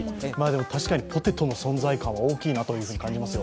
確かにポテトの存在感は大きいなと感じますよ。